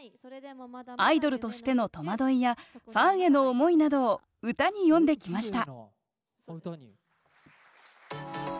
アイドルとしての戸惑いやファンヘの思いなどを歌に詠んできました